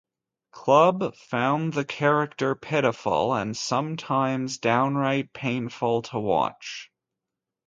Club" found the character "pitiful, and sometimes downright painful to watch.